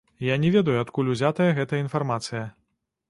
Я не ведаю, адкуль узятая гэтая інфармацыя.